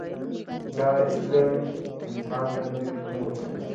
دا علم انسان ته نوي فکرونه ورکوي.